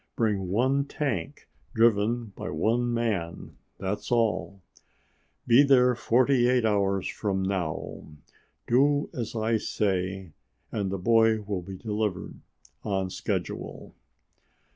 Bring one tank, driven by one man. That's all. Be there forty eight hours from now. Do as I say and the boy will be delivered on schedule."